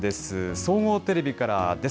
総合テレビからです。